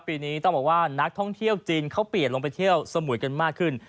ปีนี้ต้องบอกว่านักท่องเที่ยวจีนเขาเปลี่ยนลงไปเที่ยวสมุยกันมากขึ้น